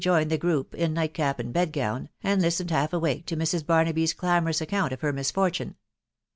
joined the group in nightcap and bedgown, and listened half awake to Mrs. Barnaby's clamorous account of her misfortune.